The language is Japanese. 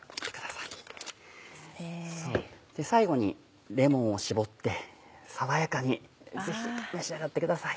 最後にレモンを搾って爽やかにぜひ召し上がってください。